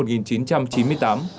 sinh năm một nghìn chín trăm chín mươi tám